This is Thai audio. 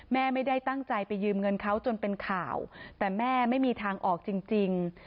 ไม่ได้ตั้งใจไปยืมเงินเขาจนเป็นข่าวแต่แม่ไม่มีทางออกจริง